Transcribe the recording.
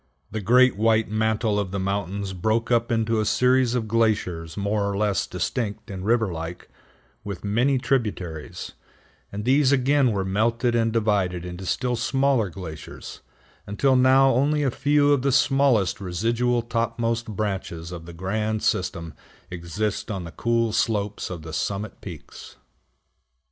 The great white mantle on the mountains broke up into a series of glaciers more or less distinct and river like, with many tributaries, and these again were melted and divided into still smaller glaciers, until now only a few of the smallest residual topmost branches of the grand system exist on the cool slopes of the summit peaks.